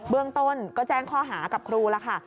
เบื้องต้นก็แจ้งคอหากับครูละค่ะ